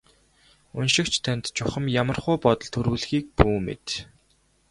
Уншигч танд чухам ямархуу бодол төрүүлэхийг бүү мэд.